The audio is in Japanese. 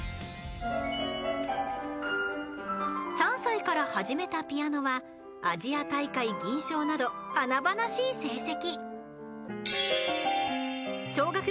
［３歳から始めたピアノはアジア大会銀賞など華々しい成績］